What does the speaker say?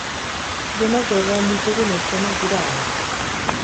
Denok gogoan ditugun eszenak dira hauek.